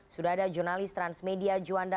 sudah ada jurnalis transmedia juanda